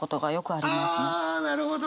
あなるほど。